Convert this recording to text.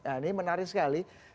nah ini menarik sekali